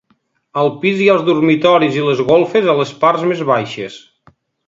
Al pis hi ha els dormitoris i les golfes a les parts més baixes.